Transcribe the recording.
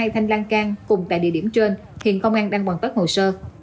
hai thanh lan can cùng tại địa điểm trên hiện công an đang hoàn tất hồ sơ